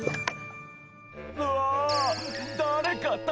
うわ！